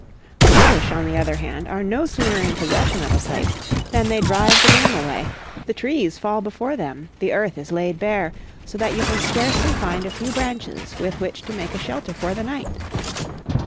The British on the other hand are no sooner in possession of a place than they drive the game away, the trees fall before them, the earth is laid bare, so that you can scarcely find a few branches with which to make a shelter for the night."